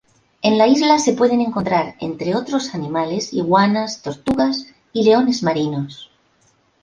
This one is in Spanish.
En la isla se pueden encontrar entre otros animales, iguanas, tortugas y leones marinos.